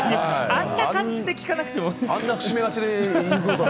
あんな感じで聞かなくても。